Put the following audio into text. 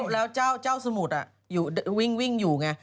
แล้วเจ้าสมุทรวิ่งอยู่ไง